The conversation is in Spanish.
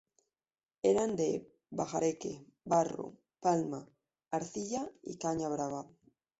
Eran de bahareque, barro, palma, arcilla y caña brava.